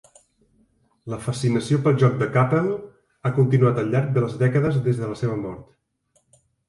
La fascinació pel joc de Kapell ha continuat al llarg de les dècades des de la seva mort.